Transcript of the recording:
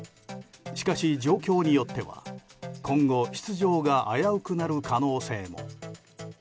しかし状況によっては今後、出場が危うくなる可能性も。